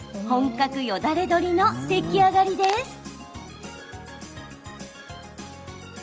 本格よだれ鶏の出来上がりです。